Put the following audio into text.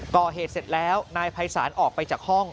ก่อเหตุเสร็จแล้วนายภัยศาลออกไปจากห้อง